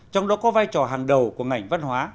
trong đó có vai trò hàng đầu của ngành văn hóa